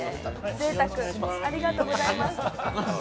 ぜいたく、ありがとうございます。